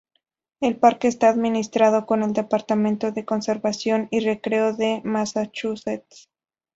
El parque está administrado por el Departamento de Conservación y Recreo de Massachusetts.